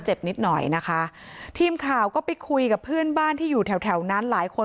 จนใดเจ้าของร้านเบียร์ยิงใส่หลายนัดเลยค่ะ